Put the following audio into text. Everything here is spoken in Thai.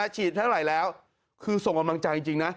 ฉีดเท่าไหร่แล้วคือส่งกำลังใจจริงนะ